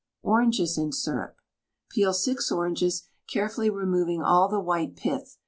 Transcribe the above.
ORANGES IN SYRUP. Peel 6 oranges, carefully removing all the white pith.